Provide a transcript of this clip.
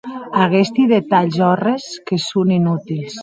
Aguesti detalhs òrres que son inutils.